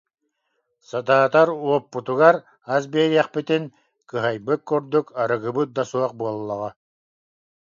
Сатаатар, уоппутугар ас биэриэхпитин, кыһайбыт курдук арыгыбыт да суох буоллаҕа»